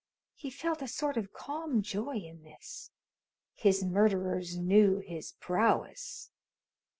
He felt a sort of calm joy in this. His murderers knew his prowess.